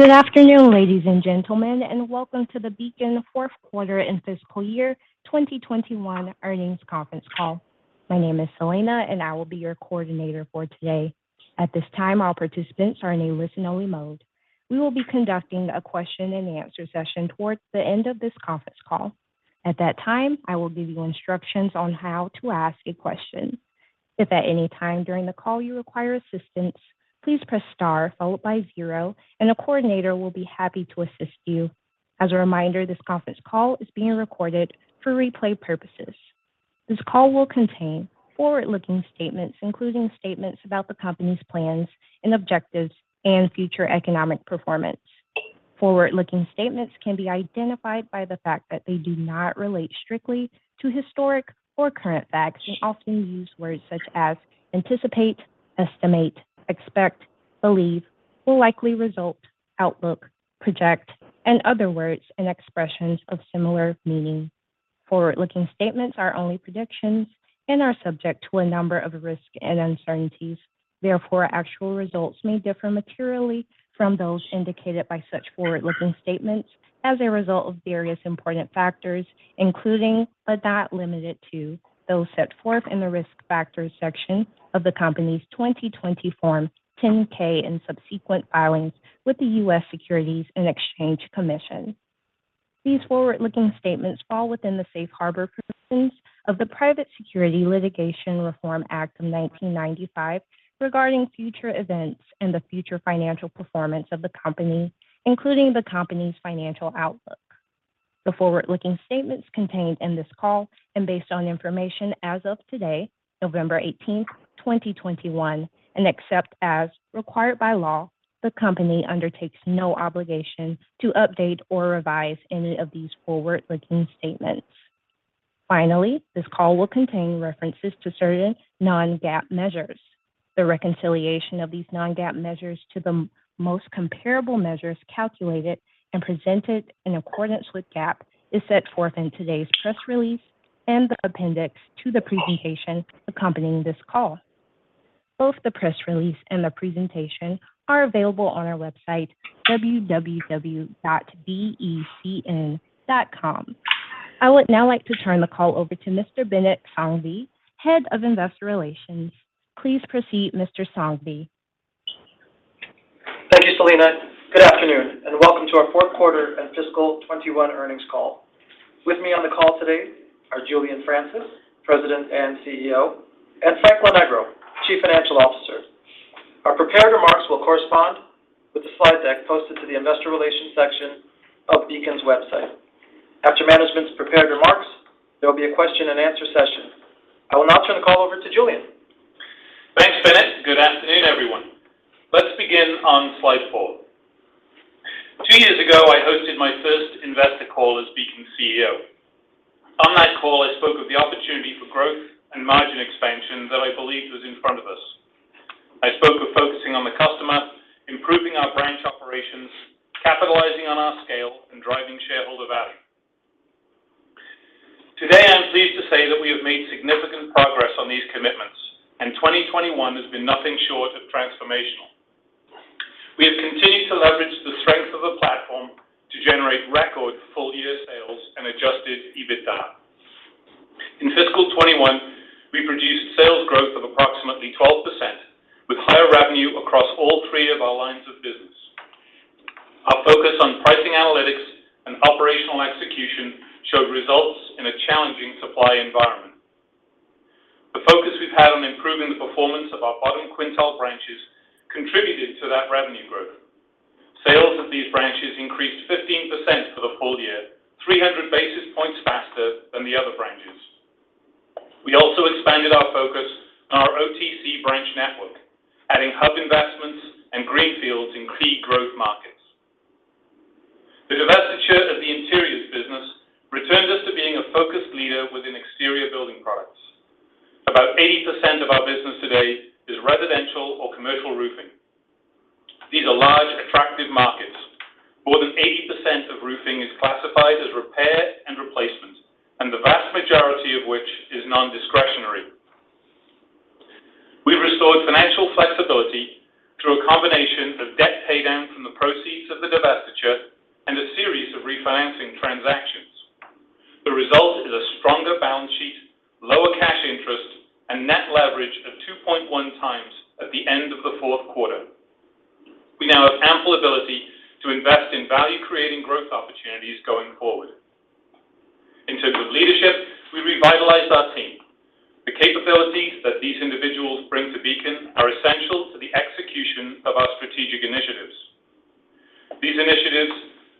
Good afternoon, ladies and gentlemen, and welcome to the Beacon fourth quarter and fiscal year 2021 earnings conference call. My name is Selina, and I will be your coordinator for today. At this time, all participants are in a listen-only mode. We will be conducting a question-and-answer session towards the end of this conference call. At that time, I will give you instructions on how to ask a question. If at any time during the call you require assistance, please press star followed by zero, and a coordinator will be happy to assist you. As a reminder, this conference call is being recorded for replay purposes. This call will contain forward-looking statements, including statements about the company's plans and objectives and future economic performance. Forward-looking statements can be identified by the fact that they do not relate strictly to historic or current facts and often use words such as anticipate, estimate, expect, believe, will likely result, outlook, project, and other words and expressions of similar meaning. Forward-looking statements are only predictions and are subject to a number of risks and uncertainties. Therefore, actual results may differ materially from those indicated by such forward-looking statements as a result of various important factors, including, but not limited to, those set forth in the Risk Factors section of the company's 2020 Form 10-K and subsequent filings with the U.S. Securities and Exchange Commission. These forward-looking statements fall within the safe harbor provisions of the Private Securities Litigation Reform Act of 1995 regarding future events and the future financial performance of the company, including the company's financial outlook. The forward-looking statements contained in this call and based on information as of today, November 18, 2021, and except as required by law, the company undertakes no obligation to update or revise any of these forward-looking statements. Finally, this call will contain references to certain non-GAAP measures. The reconciliation of these non-GAAP measures to the most comparable measures calculated and presented in accordance with GAAP is set forth in today's press release and the appendix to the presentation accompanying this call. Both the press release and the presentation are available on our website, www.becn.com. I would now like to turn the call over to Mr. Binit Sanghvi, Head of Investor Relations. Please proceed, Mr. Sanghvi. Thank you, Selina. Good afternoon, and welcome to our fourth quarter and fiscal 2021 earnings call. With me on the call today are Julian Francis, President and CEO, and Frank Lonegro, Chief Financial Officer. Our prepared remarks will correspond with the slide deck posted to the investor relations section of Beacon's website. After management's prepared remarks, there will be a question-and-answer session. I will now turn the call over to Julian. Thanks, Binit. Good afternoon, everyone. Let's begin on slide 4. Two years ago, I hosted my first investor call as Beacon CEO. On that call, I spoke of the opportunity for growth and margin expansion that I believed was in front of us. I spoke of focusing on the customer, improving our branch operations, capitalizing on our scale, and driving shareholder value. Today, I am pleased to say that we have made significant progress on these commitments, and 2021 has been nothing short of transformational. We have continued to leverage the strength of the platform to generate record full-year sales and Adjusted EBITDA. In fiscal 2021, we produced sales growth of approximately 12%, with higher revenue across all three of our lines of business. Our focus on pricing analytics and operational execution showed results in a challenging supply environment. The focus we've had on improving the performance of our bottom quintile branches contributed to that revenue growth. Sales of these branches increased 15% for the full year, 300 basis points faster than the other branches. We also expanded our focus on our OTC branch network, adding hub investments and greenfields in key growth markets. The divestiture of the interiors business returned us to being a focused leader within exterior building products. About 80% of our business today is residential or commercial roofing. These are large, attractive markets. More than 80% of roofing is classified as repair and replacement, and the vast majority of which is non-discretionary. We restored financial flexibility through a combination of debt pay down from the proceeds of the divestiture and a series of refinancing transactions. The result is a stronger balance sheet, lower cash interest, and net leverage of 2.1 times at the end of the fourth quarter. We now have ample ability to invest in value-creating growth opportunities going forward. In terms of leadership, we revitalized our team. The capabilities that these individuals bring to Beacon are essential to the execution of our strategic initiatives. These initiatives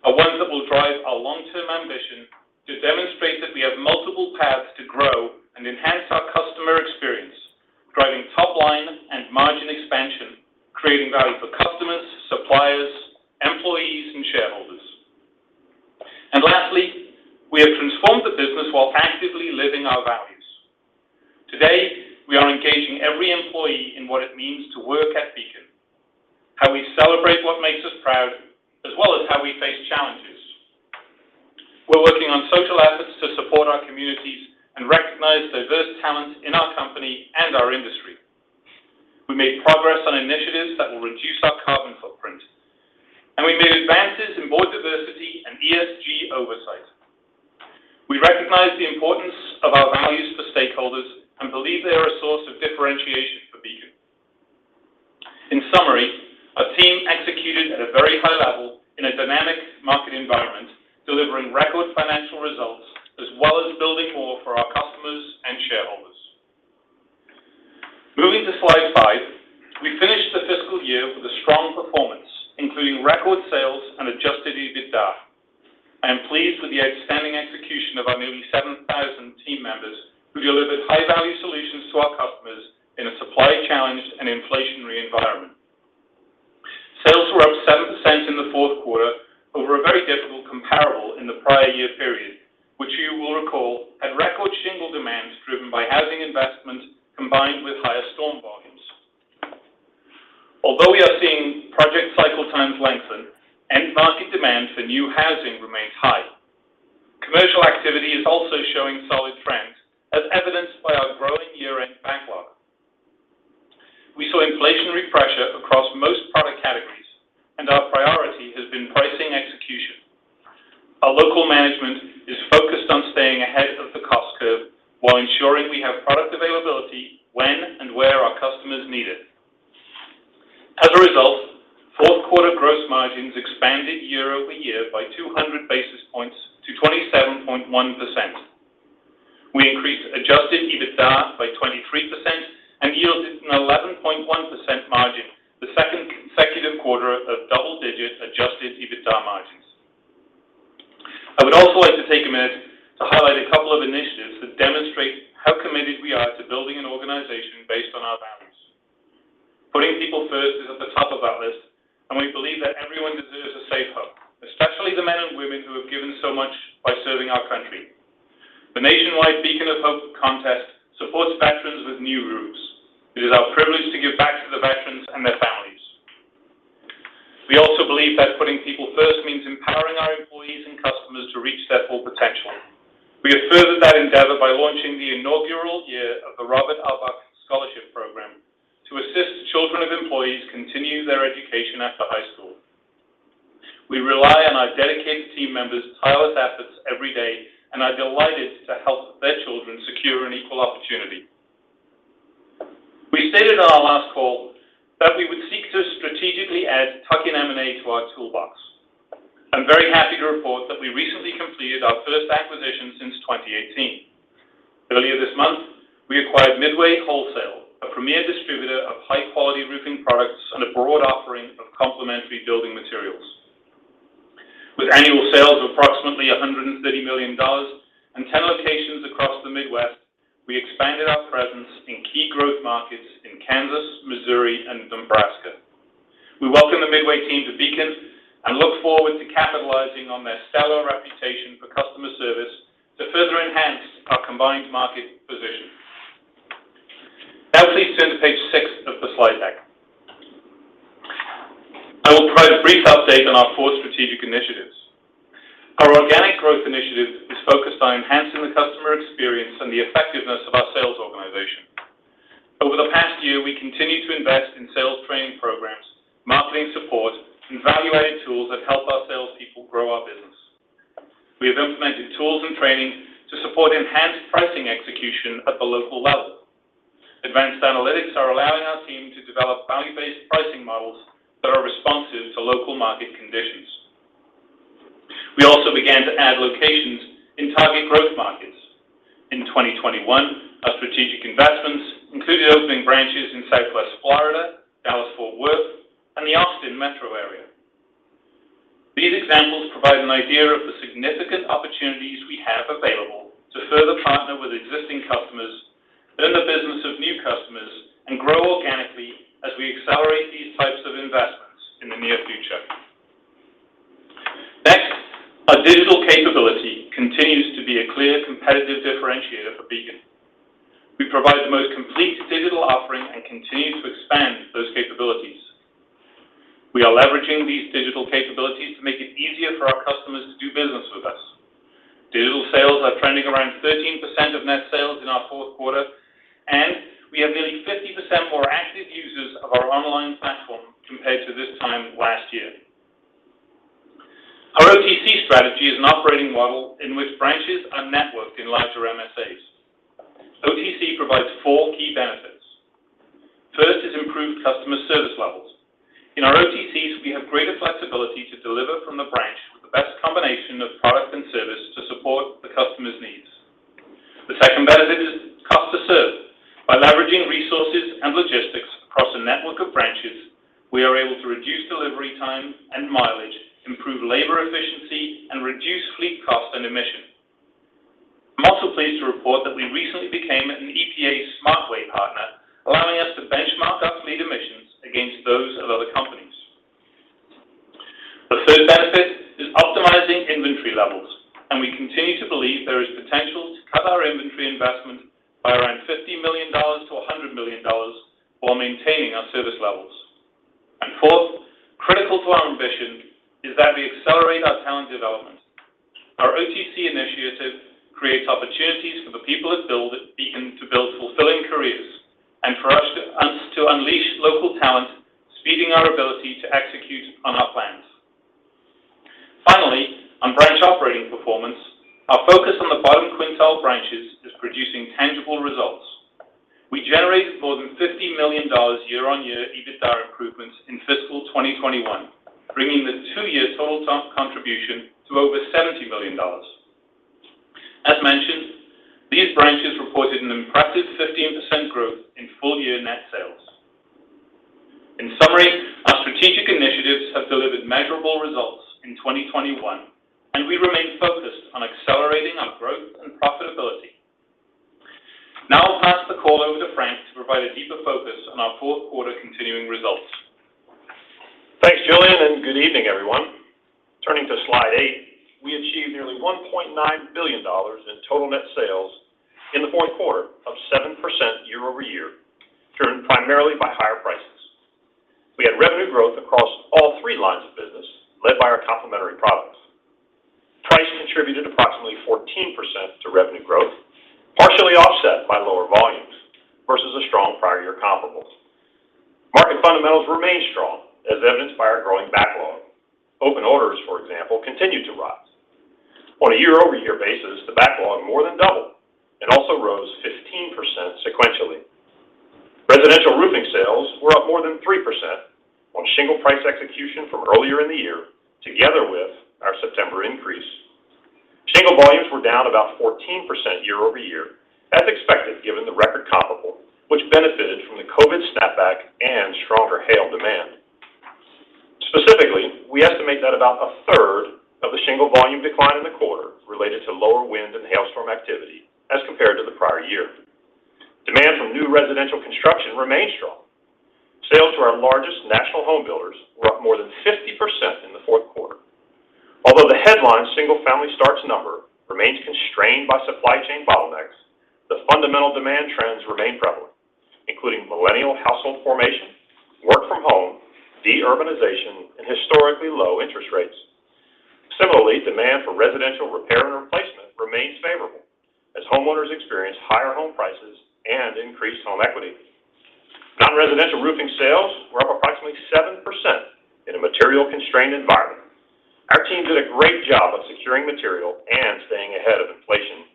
are ones that will drive our long-term ambition to demonstrate that we have multiple paths to grow and enhance our customer experience, driving top line and margin expansion, creating value for customers, suppliers, employees, and shareholders. Lastly, we have transformed the business while actively living our values. Today, we are engaging every employee in what it means to work at Beacon, how we celebrate what makes us proud, as well as how we face challenges. To support our communities and recognize diverse talent in our company and our industry. We made progress on initiatives that will reduce our carbon footprint, and we made advances in board diversity and ESG oversight. We recognize the importance of our values for stakeholders and believe they are a source of differentiation for Beacon. In summary, our team executed at a very high level in a dynamic market environment, delivering record financial results as well as building more for our customers and shareholders. Moving to slide five, we finished the fiscal year with a strong performance, including record sales and adjusted EBITDA. I am pleased with the outstanding execution of our nearly 7,000 team members who delivered high-value solutions to our customers in a supply-challenged and inflationary environment. Sales were up 7% in the fourth quarter over a very difficult comparable in the prior year period, which you will recall had record shingle demands driven by housing investment combined with higher storm volumes. Although we are seeing project cycle times lengthen, end market demand for new housing remains high. Commercial activity is also showing solid trends, as evidenced by our growing year-end backlog. We saw inflationary pressure across most product categories, and our priority has been pricing execution. Our local management is focused on staying ahead of the cost curve while ensuring we have product availability when and where our customers need it. As a result, fourth quarter gross margins expanded year-over-year by 200 basis points to 27.1%. We increased Adjusted EBITDA by 23% and yielded an 11.1% margin, the second consecutive quarter of double-digit Adjusted EBITDA margins. I would also like to take a minute to highlight a couple of initiatives that demonstrate how committed we are to building an organization based on our values. Putting people first is at the top of our list, and we believe that everyone deserves a safe home, especially the men and women who have given so much by serving our country. The nationwide Beacon of Hope contest supports veterans with new roofs. It is our privilege to give back to the veterans and their families. We also believe that putting people first means empowering our employees and customers to reach their full potential. We have furthered that endeavor by launching the inaugural year of the Robert R. Buck Scholarship Program to assist children of employees continue their education after high school. We rely on our dedicated team members' tireless efforts every day and are delighted to help their children secure an equal opportunity. We stated on our last call that we would seek to strategically add tuck-in M&A to our toolbox. I'm very happy to report that we recently completed our first acquisition since 2018. Earlier this month, we acquired Midway Wholesale, a premier distributor of high-quality roofing products and a broad offering of complementary building materials. With annual sales of approximately $130 million and 10 locations across the Midwest, we expanded our presence in key growth markets in Kansas, Missouri, and Nebraska. We welcome the Midway team to Beacon and look forward to capitalizing on their stellar reputation for customer service to further enhance our combined market position. That leads me to page six of the slide deck. I will provide a brief update on our four strategic initiatives. Our organic growth initiative is focused on enhancing the customer experience and the effectiveness of our sales organization. Over the past year, we continued to invest in sales training programs, marketing support, and evaluated tools that help our salespeople grow our business. We have implemented tools and training to support enhanced pricing execution at the local level. Advanced analytics are allowing our team to develop value-based pricing models that are responsive to local market conditions. We also began to add locations in target growth markets. In 2021, our strategic investments included opening branches in Southwest Florida, Dallas Fort Worth, and the Austin Metro area. These examples provide an idea of the significant opportunities we have available to further partner with existing customers, earn the business of new customers, and grow organically as we accelerate these types of investments in the near future. Next, our digital capability continues to be a clear competitive differentiator for Beacon. We provide the most complete digital offering and continue to expand those capabilities. We are leveraging these digital capabilities to make it easier for our customers to do business with us. Digital sales are trending around 13% of net sales in our fourth quarter, and we have nearly 50% more active users of our online platform compared to this time last year. Our OTC strategy is an operating model in which branches are networked in larger MSAs. OTC provides four key benefits. First is improved customer service levels. In our OTCs, we have greater flexibility to deliver from the branch with the best combination of product and service to support the customer's needs. The second benefit is cost to serve. By leveraging resources and logistics across a network of branches, we are able to reduce delivery time and mileage, improve labor efficiency, and reduce fleet cost and emission. I'm also pleased to report that we recently became an EPA SmartWay partner, allowing us to benchmark our fleet emissions against those of other companies. The third benefit is optimizing inventory levels, and we continue to believe there is potential to cut our inventory investment by around $50 million-$100 million while maintaining our service levels. Fourth is that we accelerate our talent development. Our OTC initiative creates opportunities for the people at Beacon to build fulfilling careers and for us to unleash local talent, speeding our ability to execute on our plans. Finally, on branch operating performance, our focus on the bottom quintile branches is producing tangible results. We generated more than $50 million year-on-year EBITDA improvements in fiscal 2021, bringing the two-year total contribution to over $70 million. As mentioned, these branches reported an impressive 15% growth in full-year net sales. In summary, our strategic initiatives have delivered measurable results in 2021, and we remain focused on accelerating our growth and profitability. Now I'll pass the call over to Frank to provide a deeper focus on our fourth quarter continuing results. Thanks, Julian, and good evening, everyone. Turning to slide 8. We achieved nearly $1.9 billion in total net sales in the fourth quarter of 7% year-over-year, driven primarily by higher prices. We had revenue growth across all three lines of business led by our complementary products. Price contributed approximately 14% to revenue growth, partially offset by lower volumes versus a strong prior year comparables. Market fundamentals remain strong, as evidenced by our growing backlog. Open orders, for example, continued to rise. On a year-over-year basis, the backlog more than doubled and also rose 15% sequentially. Residential roofing sales were up more than 3% on shingle price execution from earlier in the year, together with our September increase. Shingle volumes were down about 14% year-over-year, as expected, given the record comparable, which benefited from the COVID snapback and stronger hail demand. Specifically, we estimate that about a third of the shingle volume decline in the quarter related to lower wind and hailstorm activity as compared to the prior year. Demand from new residential construction remained strong. Sales to our largest national home builders were up more than 50% in the fourth quarter. Although the headline single-family starts number remains constrained by supply chain bottlenecks, the fundamental demand trends remain prevalent, including millennial household formation, work from home, de-urbanization, and historically low interest rates. Similarly, demand for residential repair and replacement remains favorable as homeowners experience higher home prices and increased home equity. Non-residential roofing sales were up approximately 7% in a material-constrained environment. Our team did a great job of securing material and staying ahead of inflation.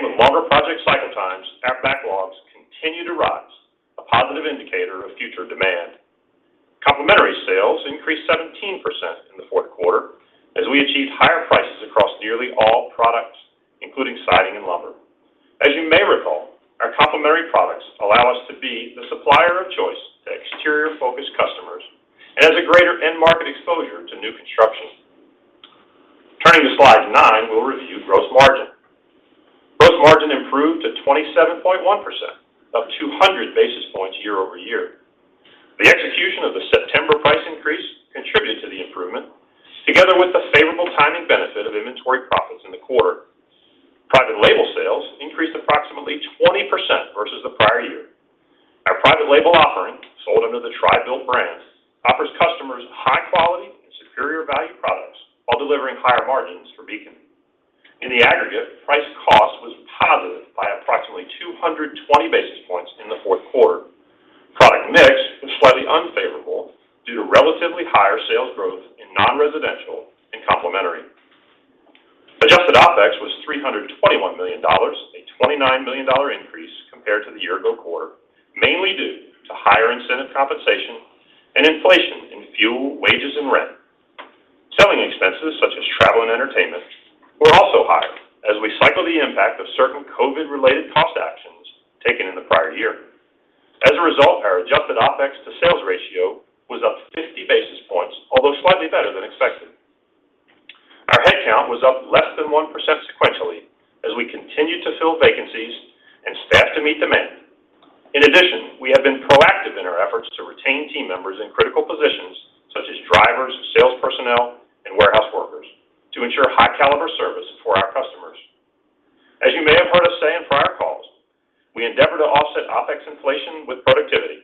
With longer project cycle times, our backlogs continue to rise, a positive indicator of future demand. Complementary sales increased 17% in the fourth quarter as we achieved higher prices across nearly all products, including siding and lumber. As you may recall, our complementary products allow us to be the supplier of choice to exterior-focused customers and has a greater end-market exposure to new construction. Turning to slide 9, we'll review gross margin. Gross margin improved to 27.1% up 200 basis points year-over-year. The execution of the September price increase contributed to the improvement, together with the favorable timing benefit of inventory profits in the quarter. Private label sales increased approximately 20% versus the prior year. Our private label offering, sold under the TRI-BUILT brands, offers customers high quality and superior value products while delivering higher margins for Beacon. In the aggregate, price cost was positive by approximately 220 basis points in the fourth quarter. Product mix was slightly unfavorable due to relatively higher sales growth in non-residential and complementary. Adjusted OpEx was $321 million, a $29 million increase compared to the year ago quarter, mainly due to higher incentive compensation and inflation in fuel, wages, and rent. Selling expenses such as travel and entertainment were also higher as we cycle the impact of certain COVID-related cost actions taken in the prior year. As a result, our adjusted OpEx to sales ratio was up 50 basis points, although slightly better than expected. Our headcount was up less than 1% sequentially as we continued to fill vacancies and staff to meet demand. In addition, we have been proactive in our efforts to retain team members in critical positions such as drivers, sales personnel, and warehouse workers to ensure high-caliber service for our customers. As you may have heard us say in prior calls, we endeavor to offset OpEx inflation with productivity.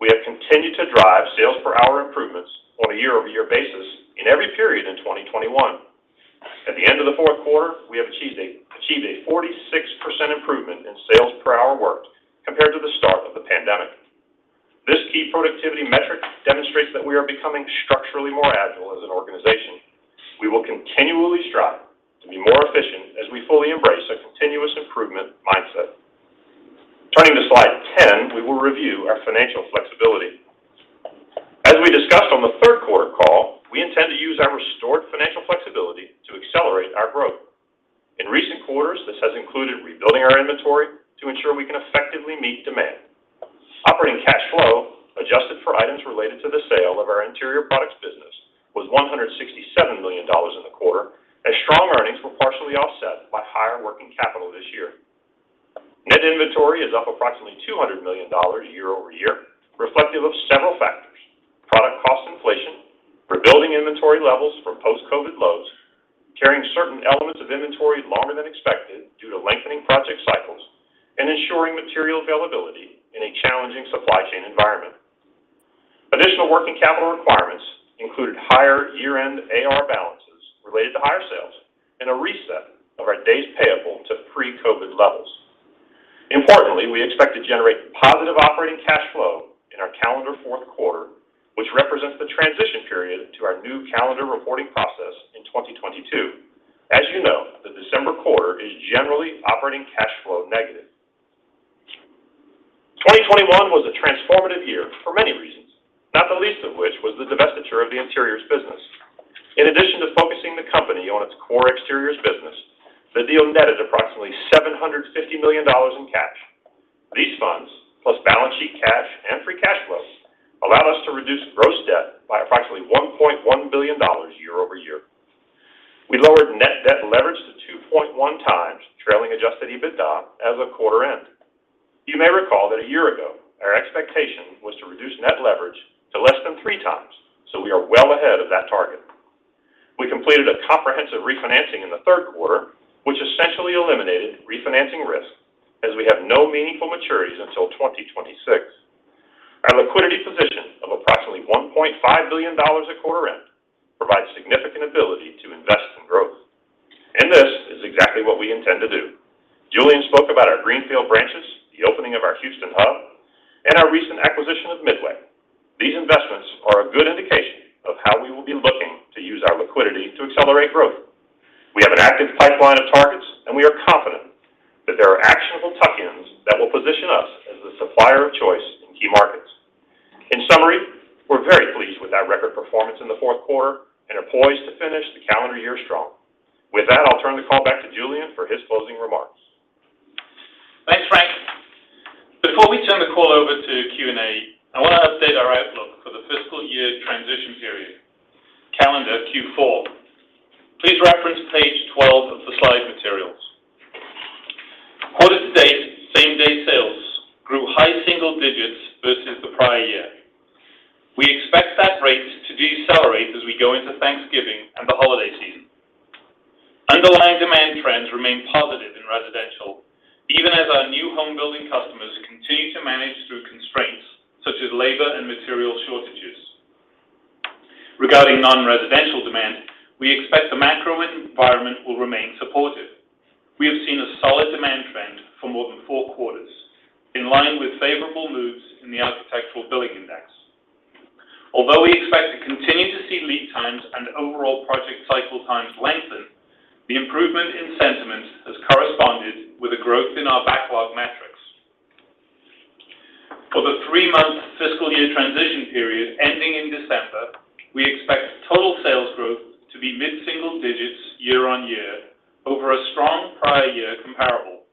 We have continued to drive sales per hour improvements on a year-over-year basis in every period in 2021. At the end of the fourth quarter, we have achieved a 46% improvement in sales per hour worked compared to the start of the pandemic. This key productivity metric demonstrates that we are becoming structurally more agile as an organization. We will continually strive to be more efficient as we fully embrace a continuous improvement mindset. Turning to slide 10, we will review our financial flexibility. As we discussed on the third quarter call, we intend to use our restored financial flexibility to accelerate our growth. In recent quarters, this has included rebuilding our inventory to ensure we can effectively meet demand. Operating cash flow, adjusted for items related to the sale of our interior products business, was $167 million in the quarter, as strong earnings were partially offset by higher working capital this year. Net inventory is up approximately $200 million year-over-year, reflective of several factors: product cost inflation, rebuilding inventory levels from post-COVID lows, carrying certain elements of inventory longer than expected due to lengthening project cycles, ensuring material availability in a challenging supply chain environment. Additional working capital requirements included higher year-end AR balances related to higher sales and a reset of our days payable to pre-COVID levels. Importantly, we expect to generate positive operating cash flow in our calendar fourth quarter, which represents the transition period to our new calendar reporting process in 2022. As you know, the December quarter is generally operating cash flow negative. 2021 was a transformative year for many reasons, not the least of which was the divestiture of the interiors business. In addition to focusing the company on its core exteriors business, the deal netted approximately $750 million in cash. These funds, plus balance sheet cash and free cash flow, allowed us to reduce gross debt by approximately $1.1 billion year over year. We lowered net debt leverage to 2.1x trailing adjusted EBITDA as of quarter end. You may recall that a year ago, our expectation was to reduce net leverage to less than 3x. We are well ahead of that target. We completed a comprehensive refinancing in the third quarter, which essentially eliminated refinancing risk as we have no meaningful maturities until 2026. Our liquidity position of approximately $1.5 billion at quarter end provides significant ability to invest in growth. This is exactly what we intend to do. Julian spoke about our greenfield branches, the opening of our Houston hub, and our recent acquisition of Midway. These investments are a good indication of how we will be looking to use our liquidity to accelerate growth. We have an active pipeline of targets, and we are confident that there are actionable tuck-ins that will position us as the supplier of choice in key markets. In summary, we're very pleased with our record performance in the fourth quarter and are poised to finish the calendar year strong. With that, I'll turn the call back to Julian for his closing remarks. Thanks, Frank. Before we turn the call over to Q&A, I want to update our outlook for the fiscal year transition period, calendar Q4. Please reference page 12 of the slide materials. Quarter to date, same-day sales grew high single digits versus the prior year. We expect that rate to decelerate as we go into Thanksgiving and the holiday season. Underlying demand trends remain positive in residential, even as our new home building customers continue to manage through constraints such as labor and material shortages. Regarding non-residential demand, we expect the macro environment will remain supportive. We have seen a solid demand trend for more than four quarters, in line with favorable moves in the Architectural Billings Index. Although we expect to continue to see lead times and overall project cycle times lengthen, the improvement in sentiment has corresponded with a growth in our backlog metrics. For the three-month fiscal year transition period ending in December, we expect total sales growth to be mid-single digits year-over-year over a strong prior year comparable.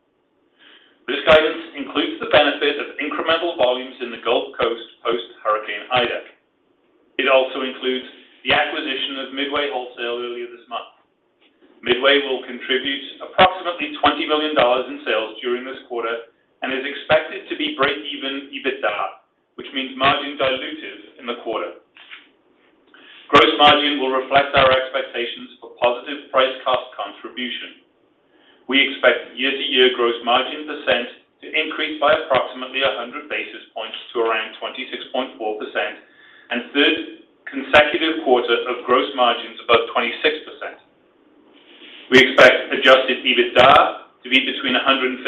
This guidance includes the benefit of incremental volumes in the Gulf Coast post Hurricane Ida. It also includes the acquisition of Midway Wholesale earlier this month. Midway will contribute approximately $20 million in sales during this quarter and is expected to be breakeven EBITDA, which means margin dilutive in the quarter. Gross margin will reflect our expectations for positive price cost contribution. We expect year-over-year gross margin percent to increase by approximately 100 basis points to around 26.4% and third consecutive quarter of gross margins above 26%. We expect Adjusted EBITDA to be between $155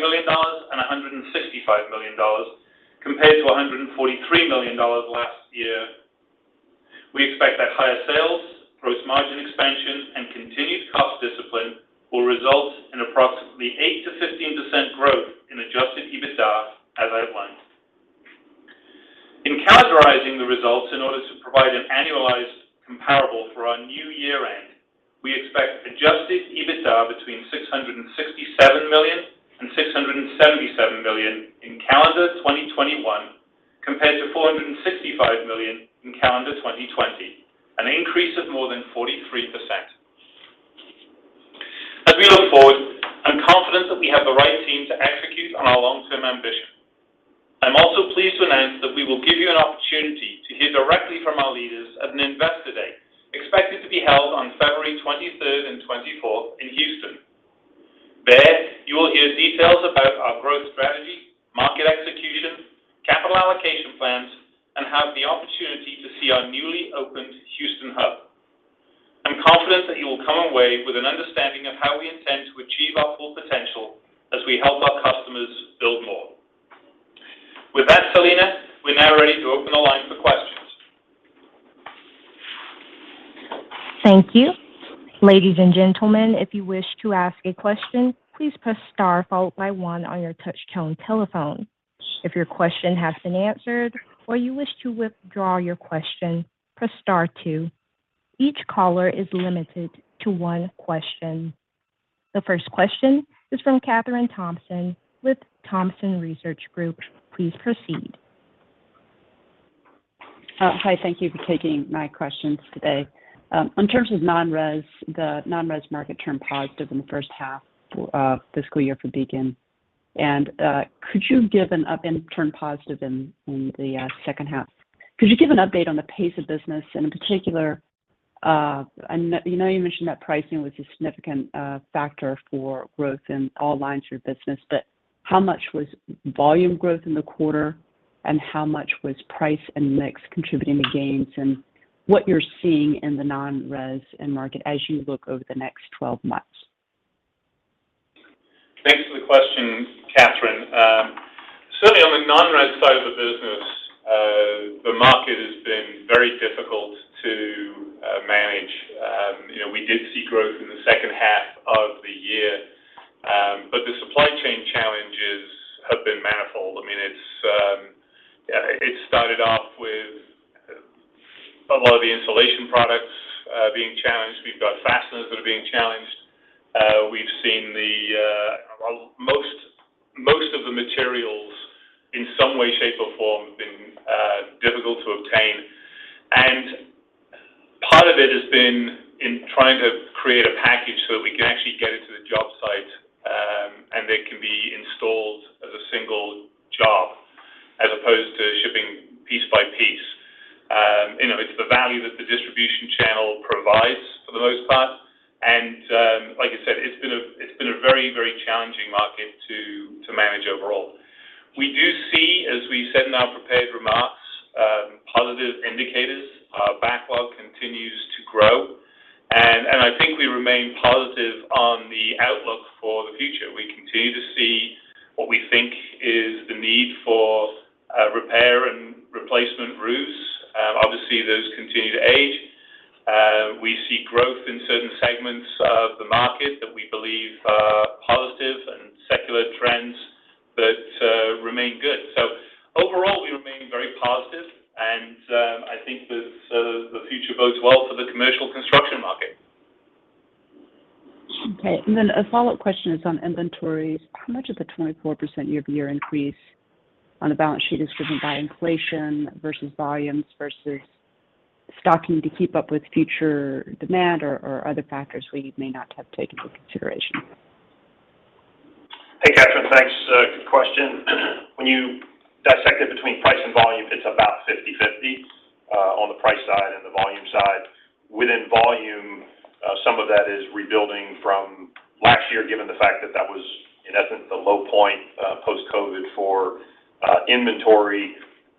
million and $165 million compared to $143 million last year. We expect that higher sales, gross margin expansion, and continued cost discipline will result in approximately 8%-15% growth in Adjusted EBITDA as outlined. In categorizing the results in order to provide an annualized comparable for our new year-end, we expect Adjusted EBITDA between $667 million and $677 million in calendar 2021 compared to $465 million in calendar 2020, an increase of more than 43%. As we look forward, I'm confident that we have the right team to execute on our long-term ambition. I'm also pleased to announce that we will give you an opportunity to hear directly from our leaders at an investor day expected to be held on February 23rd and 24th in Houston. There, you will hear details about our growth strategy, market execution, capital allocation plans, and have the opportunity to see our newly opened Houston hub. I'm confident that you will come away with an understanding of how we intend to achieve our full potential as we help our customers build more. With that, Selina, we're now ready to open the line for questions. Thank you. Ladies and gentlemen, if you wish to ask a question, please press star followed by one on your touch tone telephone. If your question has been answered or you wish to withdraw your question, press star two. Each caller is limited to one question. The first question is from Kathryn Thompson with Thompson Research Group. Please proceed. Hi. Thank you for taking my questions today. In terms of non-res, the non-res market turned positive in the first half fiscal year for Beacon and turned positive in the second half. Could you give an update on the pace of business and in particular You know, you mentioned that pricing was a significant factor for growth in all lines of your business. How much was volume growth in the quarter and how much was price and mix contributing to gains and what you're seeing in the non-res and market as you look over the next 12 months? Thanks for the question, Kathryn. Certainly on the non-res side of the business, the market has been very difficult to manage. You know, we did see growth in the second half of the year. But the supply chain challenges have been manifold. I mean, it started off with a lot of the insulation products being challenged. We've got fasteners that are being challenged. We've seen the most of the materials in some way, shape, or form have been difficult to obtain. Part of it has been in trying to create a package so that we can actually get it to the job site, and they can be installed as a single job as opposed to shipping piece by piece. You know, it's the value that the distribution channel provides for the most part. Like I said, it's been a very challenging market to manage overall. We do see, as we said in our prepared remarks, positive indicators. Our backlog continues to grow. I think we remain positive on the outlook for the future. We continue to see what we think is the need for repair and replacement roofs. Obviously, those continue to age. We see growth in certain segments of the market that we believe are positive and secular trends that remain good. Overall, we remain very positive, and I think the future bodes well for the commercial construction market. Okay. A follow-up question is on inventories. How much of the 24% year-over-year increase on the balance sheet is driven by inflation versus volumes versus stocking to keep up with future demand or other factors we may not have taken into consideration? Hey, Kathryn. Thanks. Good question. When you dissect it between price and volume, it's about 50/50 on the price side and the volume side. Within volume, some of that is rebuilding from last year, given the fact that that was, in essence, the low point post-COVID for inventory.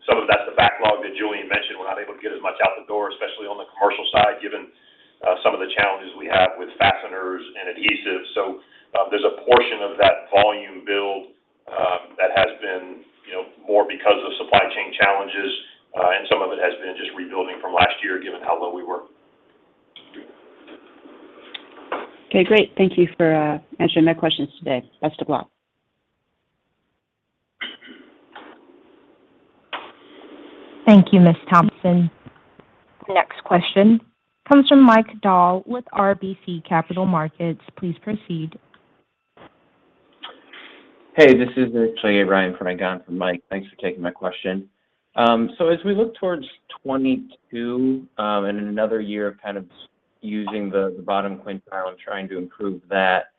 Some of that's the backlog that Julian mentioned. We're not able to get as much out the door, especially on the commercial side, given some of the challenges we have with fasteners and adhesives. There's a portion of that volume build that has been, you know, more because of supply chain challenges and some of it has been just rebuilding from last year, given how low we were. Okay, great. Thank you for answering my questions today. Best of luck. Thank you, Ms. Thompson. The next question comes from Mike Dahl with RBC Capital Markets. Please proceed. Hey, this is actually Ryan on for Mike. Thanks for taking my question. As we look toward 2022 and another year of kind of using the bottom quintile and trying to improve that,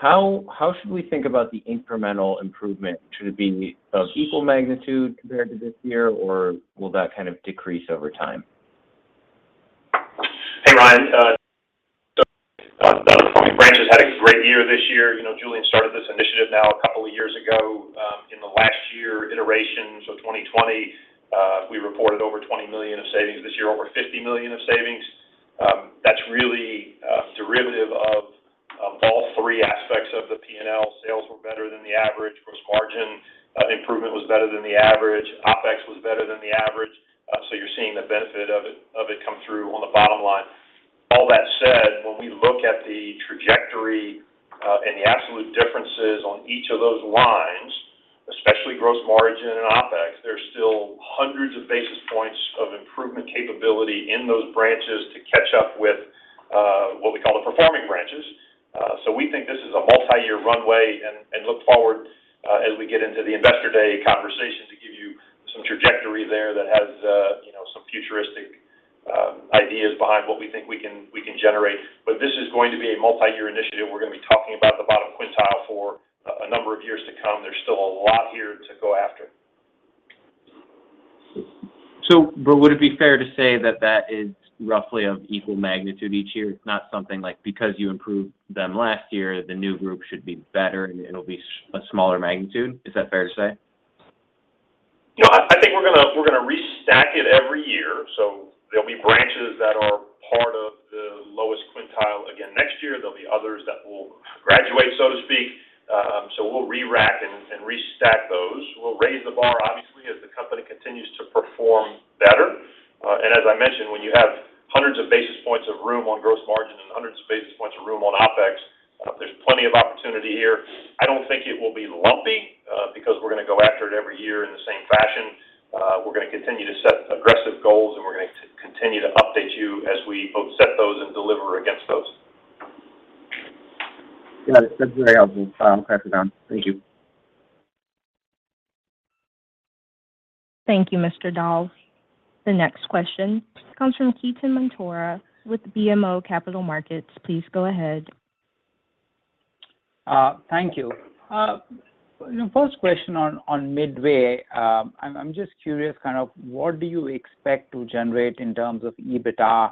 how should we think about the incremental improvement? Should it be of equal magnitude compared to this year, or will that kind of decrease over time? Hey, Ryan. The performing branches had a great year this year. You know, Julian started this initiative now a couple of years ago. In the last year iteration, so 2020, we reported over $20 million of savings. This year, over $50 million of savings. That's really a derivative of all three aspects of the P&L. Sales were better than the average. Gross margin, improvement was better than the average. OpEx was better than the average. You're seeing the benefit of it come through on the bottom line. All that said, when we look at the trajectory, and the absolute differences on each of those lines, especially gross margin and OpEx, there's still hundreds of basis points of improvement capability in those branches to catch up with, what we call the performing branches. We think this is a multi-year runway and look forward, as we get into the investor day conversation to give you some trajectory there that has some futuristic ideas behind what we think we can generate. This is going to be a multi-year initiative. We're gonna be talking about the bottom quintile for a number of years to come. There's still a lot here to go after. Would it be fair to say that that is roughly of equal magnitude each year? Not something like because you improved them last year, the new group should be better, and it'll be a smaller magnitude. Is that fair to say? You know, I think we're gonna restack it every year. There'll be branches that are part of the lowest quintile again next year. There'll be others that will graduate, so to speak. We'll re-rack and restack those. We'll raise the bar, obviously, as the company continues to perform better. As I mentioned, when you have hundreds of basis points of room on gross margin and hundreds of basis points of room on OpEx, there's plenty of opportunity here. I don't think it will be lumpy, because we're gonna go after it every year in the same fashion. We're gonna continue to set aggressive goals, and we're gonna continue to update you as we both set those and deliver against those. Got it. Sounds very helpful. I'll pass it on. Thank you. Thank you, Mr. Dahl. The next question comes from Ketan Mamtora with BMO Capital Markets. Please go ahead. Thank you. Your first question on Midway, I'm just curious kind of what do you expect to generate in terms of EBITDA,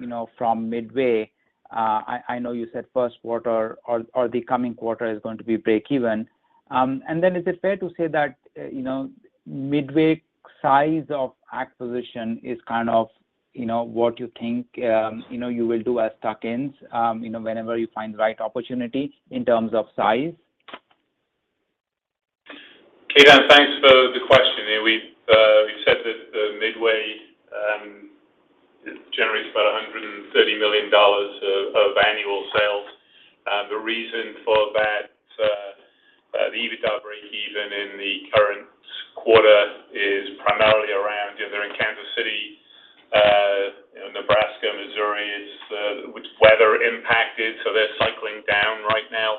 you know, from Midway? I know you said first quarter or the coming quarter is going to be breakeven. Is it fair to say that, you know, Midway size of acquisition is kind of, you know, what you think, you will do as tuck-ins, you know, whenever you find the right opportunity in terms of size? Ketan, thanks for the question. We've said that Midway generates about $130 million of annual sales. The reason for that, the EBITDA breakeven in the current quarter is primarily around, you know, they're in Kansas City. You know, Nebraska, Missouri is weather impacted, so they're cycling down right now.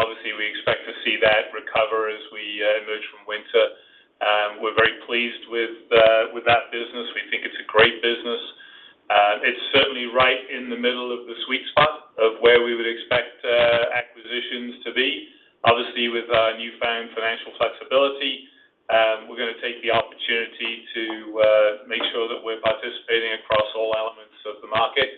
Obviously, we expect to see that recover as we emerge from winter. We're very pleased with that business. We think it's a great business. It's certainly right in the middle of the sweet spot of where we would expect acquisitions to be. Obviously, with our newfound financial flexibility, we're gonna take the opportunity to make sure that we're participating across all elements of the market.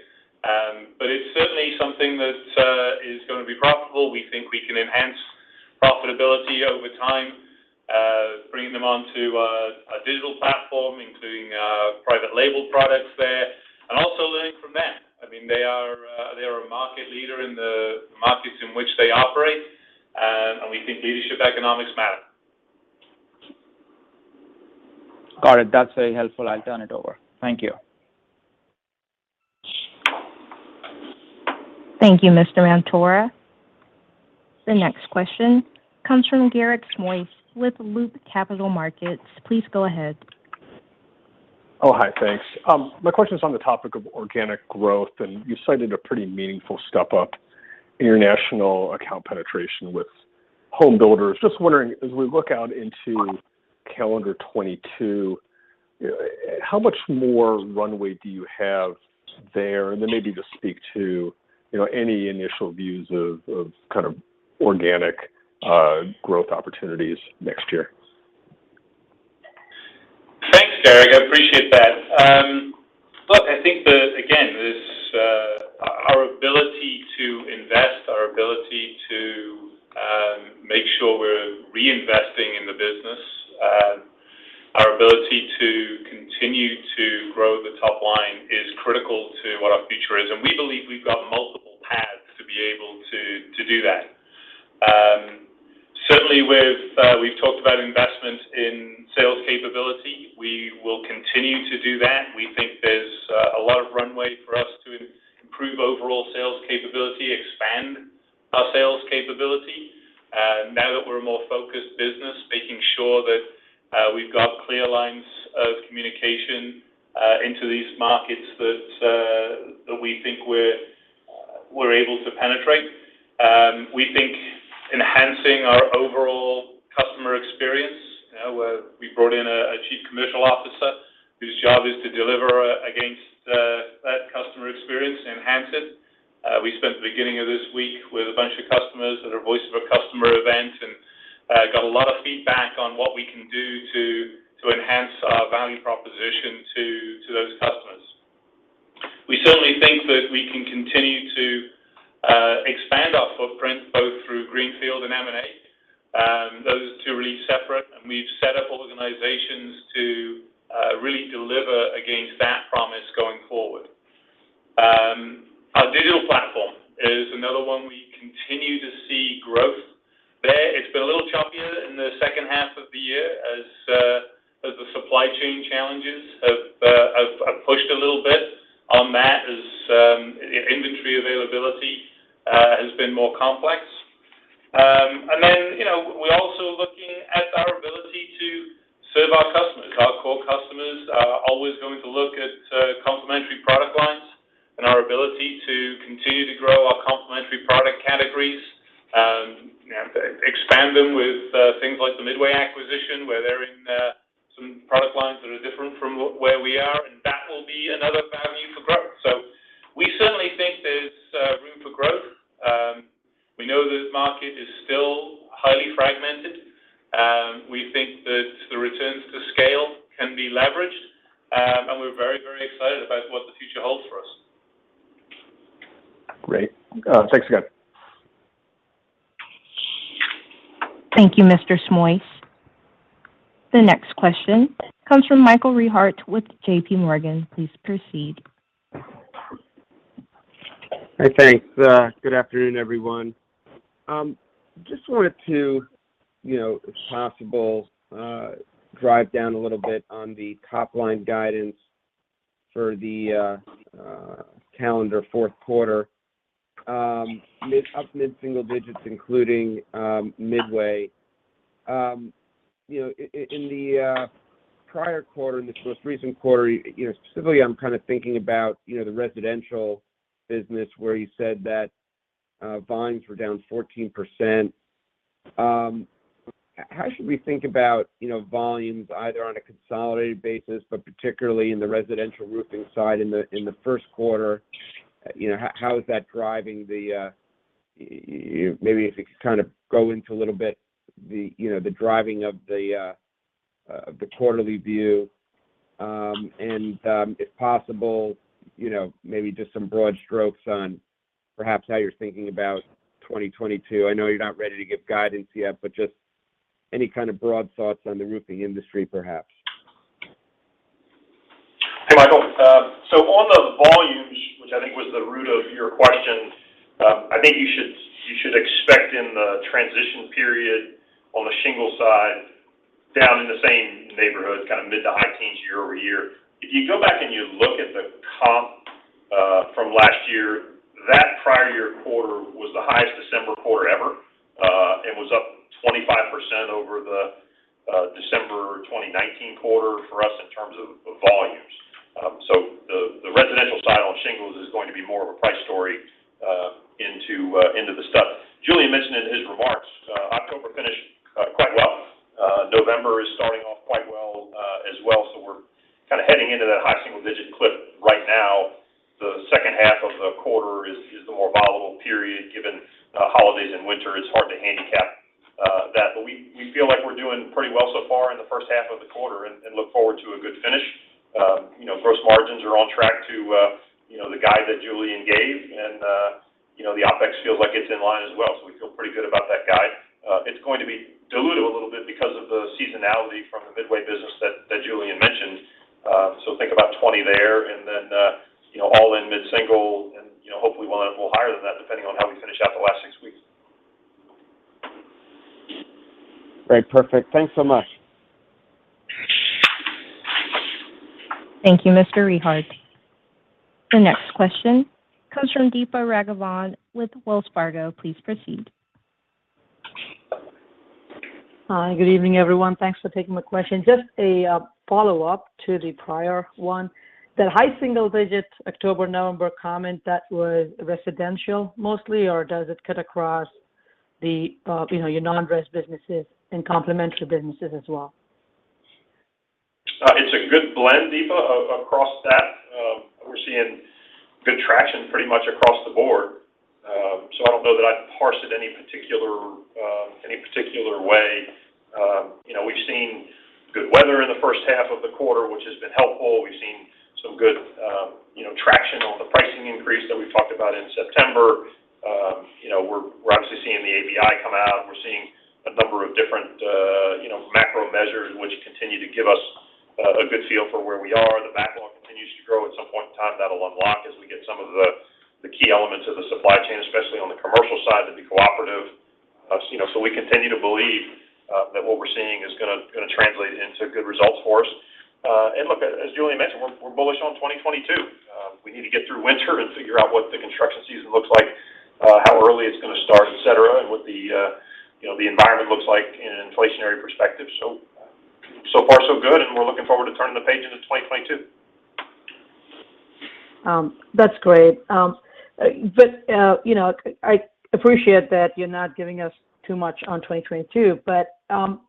But it's certainly something that is gonna be profitable. We think we can enhance profitability over time, bringing them onto a digital platform, including private label products there, also learning from them. I mean, they are a market leader in the markets in which they operate, and we think leadership economics matter. Got it. That's very helpful. I'll turn it over. Thank you. Thank you, Mr. Mamtora. The next question comes from Garik Shmois with Loop Capital Markets. Please go ahead. Oh, hi. Thanks. My question is on the topic of organic growth, and you cited a pretty meaningful step up in your national account penetration with home builders. Just wondering, as we look out into calendar 2022, how much more runway do you have there? And then maybe just speak to, you know, any initial views of kind of organic growth opportunities next year. Thanks, Garik. I appreciate that. Look, I think again this our ability to invest, our ability to make sure we're reinvesting in the business, our ability to continue to grow the top line is critical to what our future is. We believe we've got multiple paths to be able to do that. Certainly, we've talked about investment in sales capability. We will continue to do that. We think there's a lot of runway for us to improve overall sales capability, expand our sales capability. Now that we're a more focused business, making sure that we've got clear lines of communication into these markets that we think we're able to penetrate. We think enhancing our overall customer experience, you know, we brought in a chief commercial officer whose job is to deliver against that customer experience, enhance it. We spent the beginning of this week with a bunch of customers at our Voice of the Customer event and got a lot of feedback on what we can do to enhance our value proposition to those customers. We certainly think that we can continue to expand our footprint both through greenfield and M&A. Those are two really separate, and we've set up organizations to really deliver against that promise going forward. Our digital platform is another one we continue to see growth there. It's been a little choppier in the second half of the year as the supply chain challenges have pushed a little bit on that as inventory availability has been more complex. You know, we're also looking at our ability to serve our customers. Our core customers are always going to look at complementary product lines and our ability to continue to grow our complementary product categories, expand them with things like the Midway acquisition, where they're in some product lines that are different from where we are, and that will be another avenue for growth. We certainly think there's room for growth. We know this market is still highly fragmented. We think that the returns to scale can be leveraged, and we're very, very excited about what the future holds for us. Great. Thanks again. Thank you, Mr. Shmois. The next question comes from Michael Rehaut with J.P. Morgan. Please proceed. Hey, thanks. Good afternoon, everyone. Just wanted to, you know, if possible, drive down a little bit on the top-line guidance for the calendar fourth quarter, up mid-single digits, including Midway. You know, in the prior quarter, in the most recent quarter, you know, specifically, I'm kinda thinking about, you know, the residential business where you said that volumes were down 14%. How should we think about, you know, volumes either on a consolidated basis, but particularly in the residential roofing side in the first quarter? You know, how is that driving the quarterly view. You maybe if you could kind of go into a little bit the driving of the quarterly view. If possible, you know, maybe just some broad strokes on perhaps how you're thinking about 2022. I know you're not ready to give guidance yet, but just any kind of broad thoughts on the roofing industry perhaps. Hey, Michael. On the volumes, which I think was the root of your question, I think you should expect in the transition period on the shingle side down in the same neighborhood, kind of mid- to high-teens year-over-year. If you go back and you look at the comp from last year, that prior year quarter was the highest December quarter ever. It was up 25% over the December 2019 quarter for us in terms of volumes. The residential side on shingles is going to be more of a price story into the stuff Julian mentioned in his remarks. October finished quite well. November is starting off quite well as well, so we're kinda heading into that high single-digit clip right now. The second half of the quarter is the more volatile period given the holidays and winter. It's hard to handicap that. We feel like we're doing pretty well so far in the first half of the quarter and look forward to a good finish. You know, gross margins are on track to the guide that Julian gave. You know, the OpEx feels like it's in line as well, so we feel pretty good about that guide. It's going to be dilutive a little bit because of the seasonality from the Midway business that Julian mentioned. So think about 20 there, and then you know, all in mid-single and you know, hopefully we'll end a little higher than that depending on how we finish out the last 6 weeks. Great. Perfect. Thanks so much. Thank you, Mr. Rehaut. The next question comes from Deepa Raghavan with Wells Fargo. Please proceed. Hi, good evening, everyone. Thanks for taking my question. Just a follow-up to the prior one. That high single digit October, November comment, that was residential mostly or does it cut across the, you know, your non-res businesses and complementary businesses as well? It's a good blend, Deepa, across that. We're seeing good traction pretty much across the board. So I don't know that I'd parse it any particular way. You know, we've seen good weather in the first half of the quarter, which has been helpful. We've seen some good, you know, traction on the pricing increase that we talked about in September. You know, we're obviously seeing the ABI come out. We're seeing a number of different, you know, macro measures which continue to give us a good feel for where we are. The backlog continues to grow. At some point in time, that'll unlock as we get some of the key elements of the supply chain, especially on the commercial side to be cooperative. You know, we continue to believe that what we're seeing is gonna translate into good results for us. Look, as Julian mentioned, we're bullish on 2022. We need to get through winter and figure out what the construction season looks like, how early it's gonna start, et cetera, and what you know, the environment looks like in an inflationary perspective. So far so good, and we're looking forward to turning the page into 2022. That's great. You know, I appreciate that you're not giving us too much on 2022, but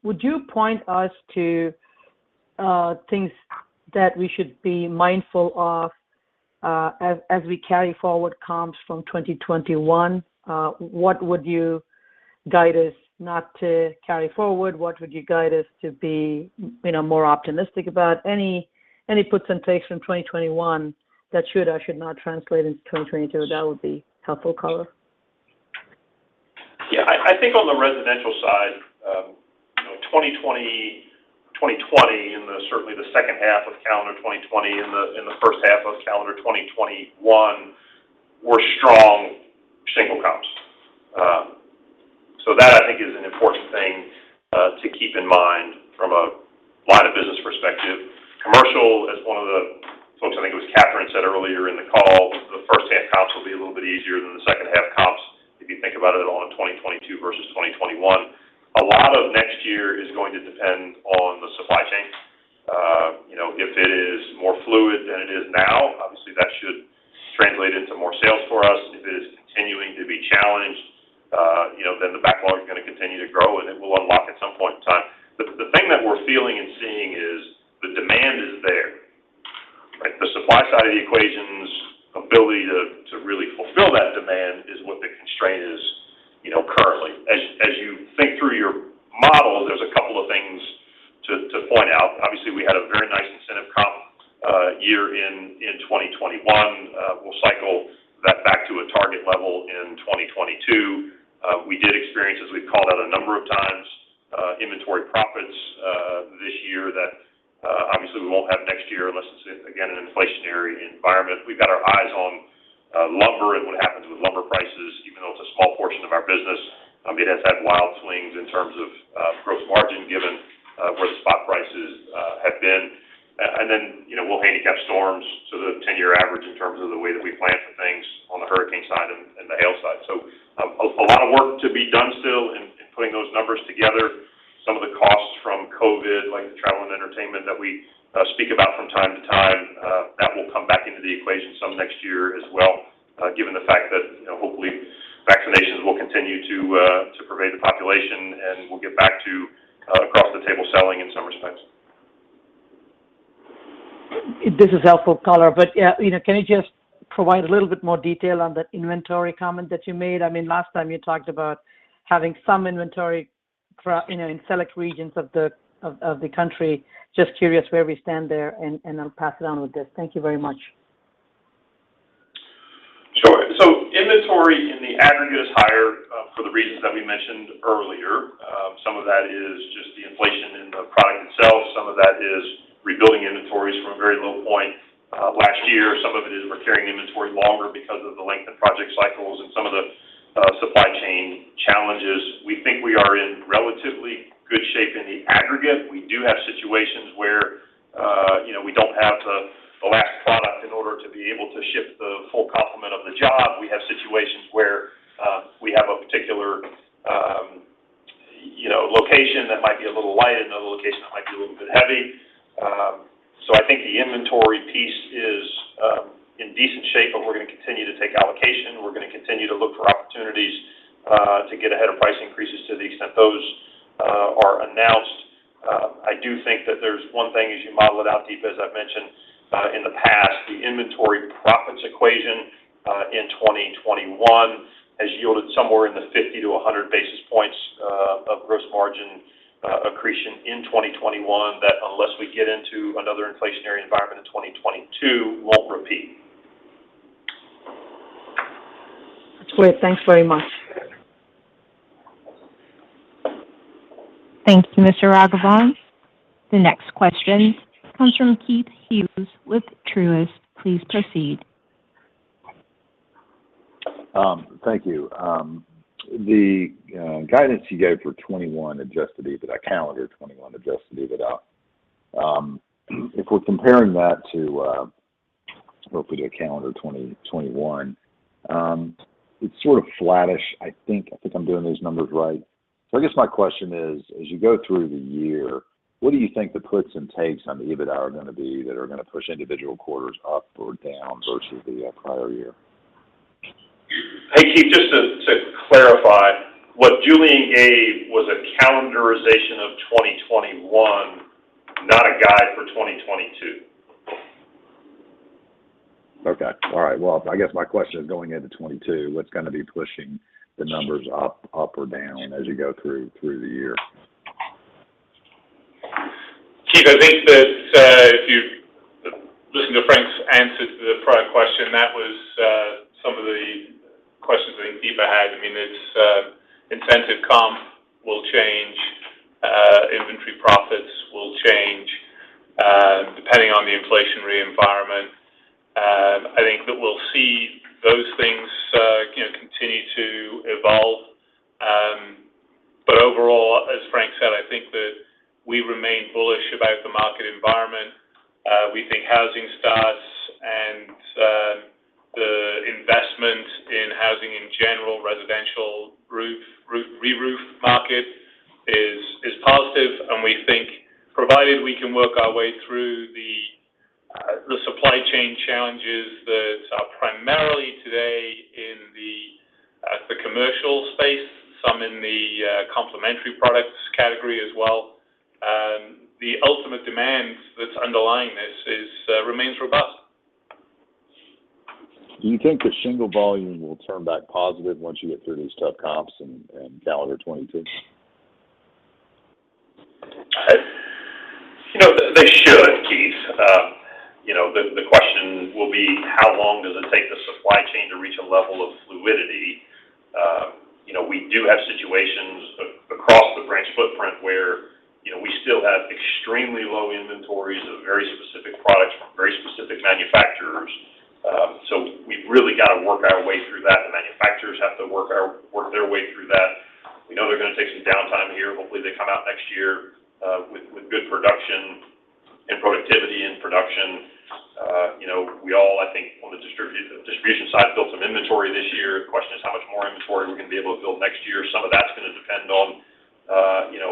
would you point us to things that we should be mindful of as we carry forward comps from 2021? What would you guide us not to carry forward? What would you guide us to be, you know, more optimistic about? Any puts and takes from 2021 that should or should not translate into 2022, that would be helpful color. Yeah. I think on the residential side, you know, 2020 and certainly the second half of calendar 2020 and the first half of calendar 2021 were strong single comps. That I think is an important thing to keep in mind from a line of business perspective. Commercial, as one of the folks, I think it was Kathryn, said earlier in the call, the first half comps will be a little bit easier than the second half comps if you think about it all in 2022 versus 2021. A lot of next year is going to depend on the supply chain. You know, if it is more fluid than it is now, obviously that should translate into more sales for us. If it is continuing to be challenged, you know, then the backlog is gonna continue to grow, and it will unlock at some point in time. The thing that we're feeling and seeing is the demand is there, right? The supply side of the equation's ability to really fulfill that demand is what the constraint is, you know, currently. As you think through your model, there's a couple of things to point out. Obviously, we had a very nice incentive comp year in 2021. We'll cycle that back to a target level in 2022. We did experience, as we've called out a number of times, inventory profits this year that obviously we won't have next year unless it's, again, an inflationary environment. We've got our eyes on lumber and what happens with lumber prices, even though it's a small portion of our business. It has had wild swings in terms of gross margin given where the spot prices have been. You know, we'll handicap storms to the ten-year average in terms of the way that we plan for things on the hurricane side and the hail side. A lot of work to be done still in putting those numbers together. Some of the costs from COVID, like the travel and entertainment that we speak about from time to time. That will come back into the equation some next year as well, given the fact that, you know, hopefully vaccinations will continue to pervade the population, and we'll get back to across the table selling in some respects. This is helpful color, but yeah, you know, can you just provide a little bit more detail on that inventory comment that you made? I mean, last time you talked about having some inventory you know, in select regions of the country. Just curious where we stand there and I'll pass it on with this. Thank you very much. Sure. Inventory in the aggregate is higher for the reasons that we mentioned earlier. Some of that is just the inflation in the product itself. Some of that is rebuilding inventories from a very low point last year. Some of it is we're carrying inventory longer because of the length of project cycles and some of the supply chain challenges. We think we are in relatively good shape in the aggregate. We do have situations where, you know, we don't have the last product in order to be able to ship the full complement of the job. We have situations where we have a particular, you know, location that might be a little light and another location that might be a little bit heavy. I think the inventory piece is in decent shape, but we're gonna continue to take allocation. We're gonna continue to look for opportunities to get ahead of price increases to the extent those are announced. I do think that there's one thing as you model it out, Deepa, as I've mentioned in the past, the inventory profits equation in 2021 has yielded somewhere in the 50-100 basis points of gross margin accretion in 2021 that unless we get into another inflationary environment in 2022, won't repeat. Great. Thanks very much. Thank you, Mr. Raghavan. The next question comes from Keith Hughes with Truist. Please proceed. Thank you. The guidance you gave for 2021 Adjusted EBITDA, calendar 2021 Adjusted EBITDA, if we're comparing that to hopefully a calendar 2021, it's sort of flattish, I think. I think I'm doing these numbers right. I guess my question is, as you go through the year, what do you think the puts and takes on EBITDA are gonna be that are gonna push individual quarters up or down versus the prior year? Hey, Keith, just to clarify, what Julian gave was a calendarization of 2021, not a guide for 2022. Okay. All right. Well, I guess my question is going into 2022, what's gonna be pushing the numbers up or down as you go through the year? Keith, I think that if you've listened to Frank's answer to the prior question, that was some of the questions I think Deepa had. I mean, it's incentive comp will change, inventory profits will change depending on the inflationary environment. I think that we'll see those things you know continue to evolve. Overall, as Frank said, I think that we remain bullish about the market environment. We think housing starts and the investment in housing in general, residential roof re-roof market is positive. We think provided we can work our way through the supply chain challenges that are primarily today in the commercial space, some in the complementary products category as well, the ultimate demand that's underlying this remains robust. Do you think the shingle volume will turn back positive once you get through these tough comps in calendar 2022? You know, they should, Keith. The question will be how long does it take the supply chain to reach a level of fluidity? We do have situations across the branch footprint where we still have extremely low inventories of very specific products from very specific manufacturers. So we've really got to work our way through that. The manufacturers have to work their way through that. We know they're gonna take some downtime here. Hopefully, they come out next year with good production and productivity and production. You know, we all, I think on the distribution side, built some inventory this year. The question is how much more inventory we're gonna be able to build next year. Some of that's gonna depend on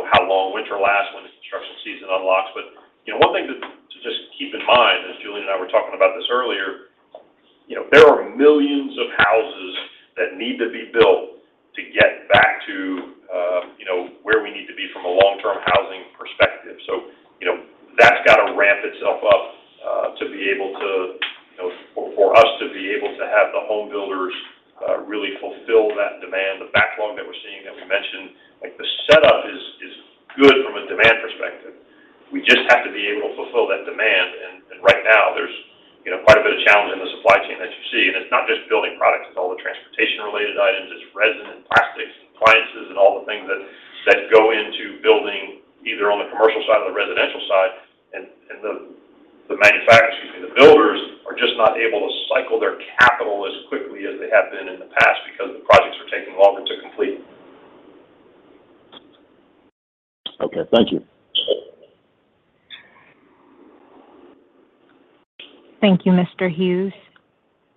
how long winter lasts when the construction season unlocks. You know, one thing to just keep in mind, as Julian and I were talking about this earlier, you know, there are millions of houses that need to be built to get back to, you know, where we need to be from a long-term housing perspective. You know, that's got to ramp itself up, to be able to, you know, for us to be able to have the home builders really fulfill that demand. The backlog that we're seeing that we mentioned, like the setup is good from a demand perspective. We just have to be able to fulfill that demand. Right now there's, you know, quite a bit of challenge in the supply chain that you see. It's not just building products. It's all the transportation related items. It's resin and plastics and appliances and all the things that go into building either on the commercial side or the residential side. The manufacturers, excuse me, the builders are just not able to cycle their capital as quickly as they have been in the past because the projects are taking longer to complete. Okay. Thank you. Thank you, Mr. Hughes.